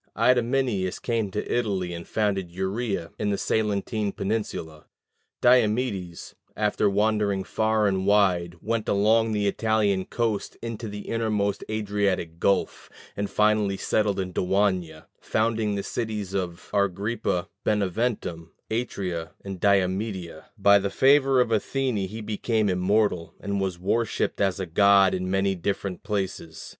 Idomeneus came to Italy, and founded Uria in the Salentine peninsula. Diomedes, after wandering far and wide, went along the Italian coast into the innermost Adriatic gulf, and finally settled in Daunia, founding the cities of Argyrippa, Beneventum, Atria, and Diomedeia: by the favor of Athene he became immortal, and was worshipped as a god in many different places.